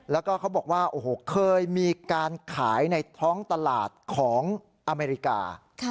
แล้วก็เขาบอกว่าโอ้โหเคยมีการขายในท้องตลาดของอเมริกา